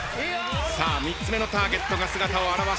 ３つ目のターゲットが姿を現した。